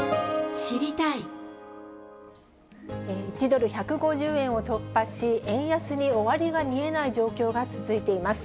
１ドル１５０円を突破し、円安に終わりが見えない状況が続いています。